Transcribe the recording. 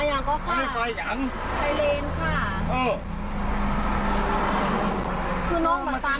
อ่ะยังก็ฆ่าไฟเลนค่ะ